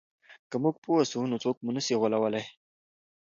که موږ پوه سو نو څوک مو نه سي غولولای.